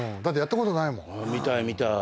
見たい見たい。